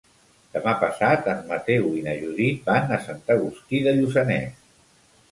Demà passat en Mateu i na Judit van a Sant Agustí de Lluçanès.